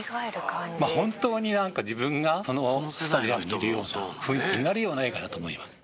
本当になんか自分がスタジアムにいるような雰囲気になるような映画だと思います。